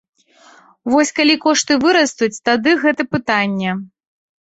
Вось калі кошты вырастуць, тады гэта пытанне.